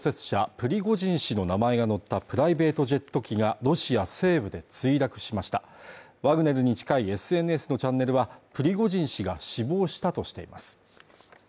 プリゴジン氏の名前が載ったプライベートジェット機がロシア西部で墜落しましたワグネルに近いＳＮＳのチャンネルはプリゴジン氏が死亡したとしています